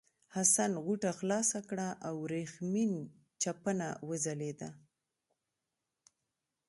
حسن غوټه خلاصه کړه او ورېښمین چپنه وځلېده.